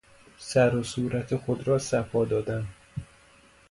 سر و صورت خود را صفاء دادن